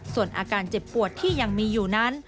ส่วนอาการเจ็บปวดที่ยังมีอยู่นั้น